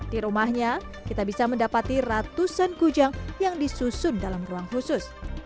di rumahnya kita bisa mendapati ratusan kujang yang disusun dalam ruang khusus